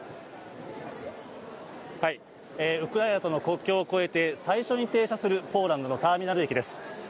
ウクライナとの国境を越えて最初に停車するポーランドのターミナル駅です。